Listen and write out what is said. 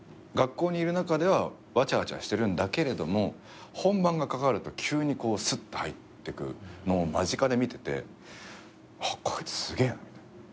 学校にいる中ではわちゃわちゃしてるんだけれども本番がかかると急にスッと入ってくのを間近で見ててあっこいつすげえな。